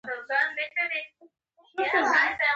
رسنۍ باید څنګه وي؟